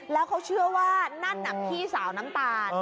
แล้วเขาเชื่อว่านั่นน่ะพี่สาวน้ำตาล